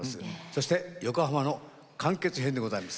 そして横浜の完結編でございます。